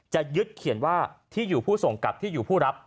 จะยึดเขียนว่าที่อยู่ผู้ส่งกลับที่อยู่ผู้รับ